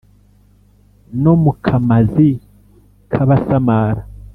no mu kamazi k'abasamara